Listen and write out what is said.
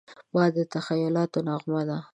باد د تخیلاتو نغمه ده